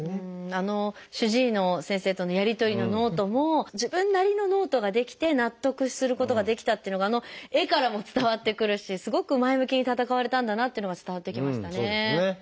あの主治医の先生とのやり取りのノートも自分なりのノートが出来て納得することができたっていうのがあの絵からも伝わってくるしすごく前向きに闘われたんだなってのが伝わってきましたね。